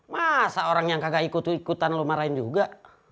masa orang yang kagak ikut ikutan lo marahin juga